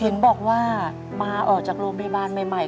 เห็นบอกว่ามาออกจากโรงพยาบาลใหม่